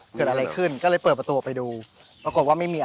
ชื่องนี้ชื่องนี้ชื่องนี้ชื่องนี้ชื่องนี้ชื่องนี้